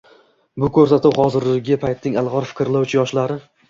Bu ko‘rsatuv — hozirgi paytning ilg‘or fikrlovchi yoshlari